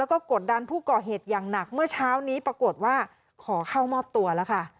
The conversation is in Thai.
แล้วก็กดดันผู้ก่อเหตุอย่างหนักเมื่อเช้านี้ปรากฏว่าขอเข้ามอบตัวแล้วค่ะ